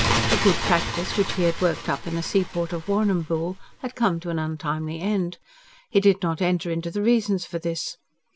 A good practice which he had worked up in the seaport of Warrnambool had come to an untimely end. He did not enter into the reasons for this.